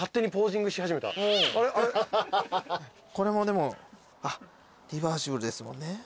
これもでもリバーシブルですもんね。